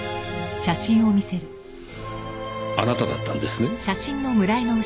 あなただったんですね。